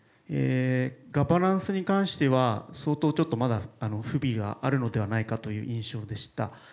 ガバナンスに関しては相当まだ不備があるのではないかという印象でした。